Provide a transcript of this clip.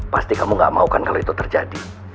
pasti kamu gak mau kan kalau itu terjadi